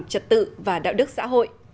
chật tự và đạo đức xã hội